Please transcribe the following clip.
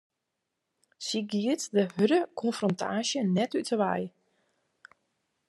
Sy giet de hurde konfrontaasje net út 'e wei.